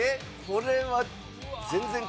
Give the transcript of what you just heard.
これは全然。